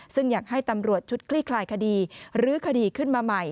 ซึ่งอยากให้ตำรวจชุดคลี่คลายคดีรื้อคดีขึ้นมาใหม่